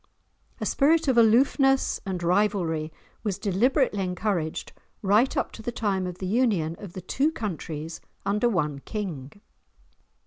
A spirit of aloofness and rivalry was deliberately encouraged, right up to the time of the union of the two countries under one king.